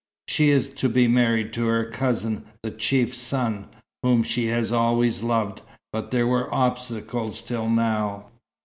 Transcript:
She is to be married to her cousin, the chief's son, whom she has always loved but there were obstacles till now."